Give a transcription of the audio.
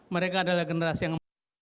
mereka adalah generasi yang